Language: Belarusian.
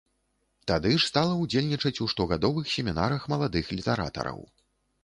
Тады ж стала ўдзельнічаць у штогадовых семінарах маладых літаратараў.